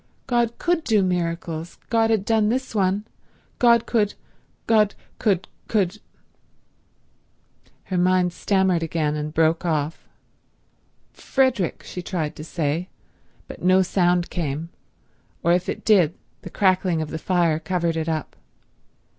God could do miracles. God had done this one. God could—God could—could— Her mind stammered again, and broke off. "Frederick—" she tried to say; but no sound came, or if it did the crackling of the fire covered it up.